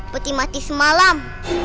peti mati semalam